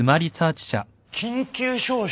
緊急招集？